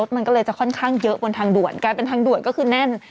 มันก็เลยจะค่อนข้างเยอะบนทางด่วนกลายเป็นทางด่วนก็คือแน่น